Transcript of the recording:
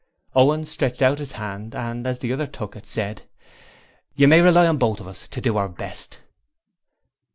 Owen stretched out his hand and as the other took it, said: 'You may rely on us both to do our best.'